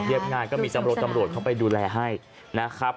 งานก็มีตำรวจเข้าไปดูแลให้นะครับ